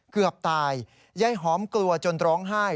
เกือบตายยายหอมกลัวจนร้องไห้